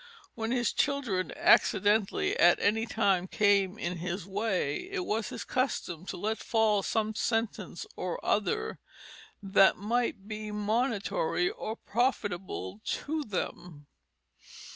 When his children accidentally at any time came in his way, it was his custom to let fall some sentence or other that might be monitory or profitable to them.